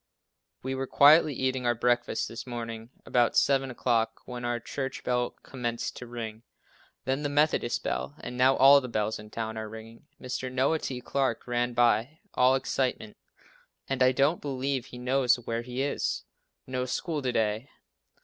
We were quietly eating our breakfast this morning about 7 o'clock, when our church bell commenced to ring, then the Methodist bell, and now all the bells in town are ringing. Mr. Noah T. Clarke ran by, all excitement, and I don't believe he knows where he is. No school to day.